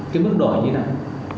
cái mức đổi như thế nào